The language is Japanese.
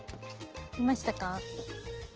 いましたか？